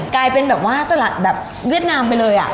กลายเป็นแบบว่าสลัดแบบเวียดนามไปเลย